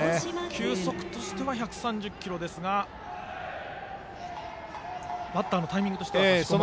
球速としては１３０キロですがバッターのタイミングとしては差し込まれると。